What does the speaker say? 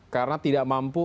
karena tidak mampu